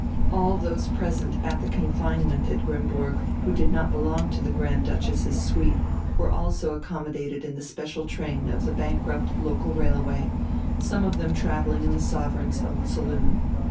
All those present at the confinement at Grimmburg who did not belong to the Grand Duchess's suite were also accommodated in the special train of the bankrupt local railway, some of them travelling in the Sovereign's own saloon.